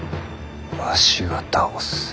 わしが倒す。